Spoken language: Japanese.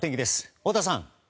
太田さん。